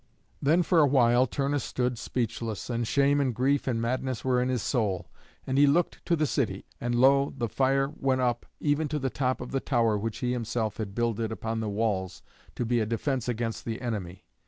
Then for a while Turnus stood speechless, and shame and grief and madness were in his soul; and he looked to the city, and lo! the fire went up even to the top of the tower which he himself had builded upon the walls to be a defence against the enemy.